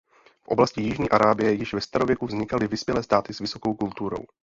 V oblasti jižní Arábie již ve starověku vznikaly vyspělé státy s vysokou kulturou.